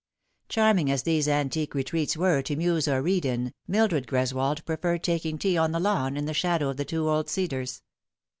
Charming as these antique retreats were to muse or read in, Mildred Greswold preferred taking tea on the lawn, in the shadow of the two old cedars.